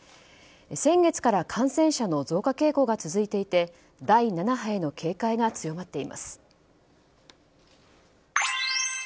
先月から感染者の増加傾向が続いていて第７波への警戒が強まっています。